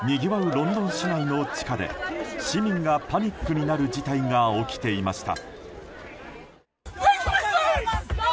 ロンドン市内の地下で市民がパニックになる事態が起きていました。